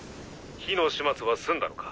火の始末は済んだのか？